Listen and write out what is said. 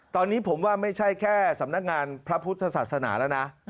ตอนนี้ผมว่าไม่ใช่แค่สำนักงานพระพุทธศาสนาแล้วนะ